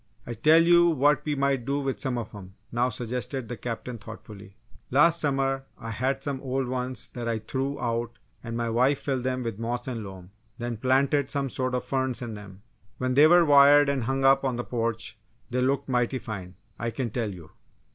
"I tell you what we might do with some of 'em!" now suggested the Captain, thoughtfully. "Last summer, I had some old ones that I threw out and my wife filled them with moss and loam, and then planted some sorts of ferns in 'em. When they were wired and hung up on the porch, they looked mighty fine, I can tell you!"